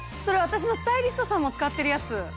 それ私のスタイリストさんも使ってるやつ。